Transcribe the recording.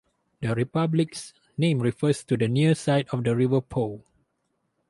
The republic's name refers to the "near side" of the River Po.